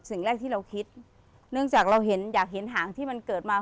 สิ่งแรกที่เราคิดเนื่องจากเราเห็นอยากเห็นหางที่มันเกิดมา